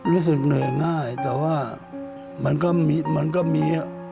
รู้สึกเหนื่อยง่ายแต่ว่ามันก็มีเดินไปมันก็หอม